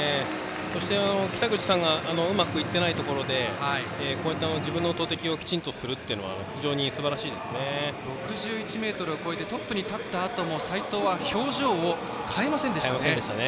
そして北口さんがうまくいっていないところでこういった自分の投てきをきちんとするというのが６１ｍを超えてトップに立ったあとも斉藤は表情を変えませんでした。